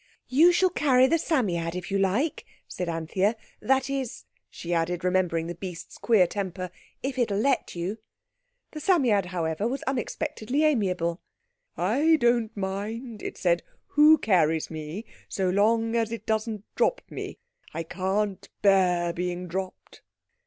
"You shall carry the Psammead if you like," said Anthea. "That is," she added, remembering the beast's queer temper, "if it'll let you." The Psammead, however, was unexpectedly amiable. "I don't mind," it said, "who carries me, so long as it doesn't drop me. I can't bear being dropped."